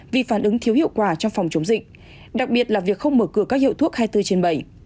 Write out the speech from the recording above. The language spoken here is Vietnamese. vì phản ứng thiếu hiệu quả trong phòng chống dịch đặc biệt là việc không mở cửa các hiệu thuốc hai mươi bốn trên bảy